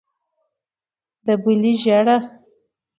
د بلې ژېړه.